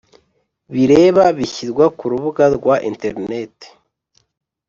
Bireba bishyirwa ku rubuga rwa interineti